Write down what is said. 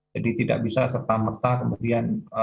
jadi tidak bisa serta merta kemudian